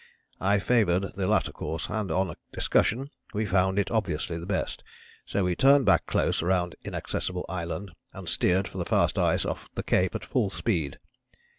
I favoured the latter course, and on discussion we found it obviously the best, so we turned back close around Inaccessible Island and steered for the fast ice off the Cape at full speed.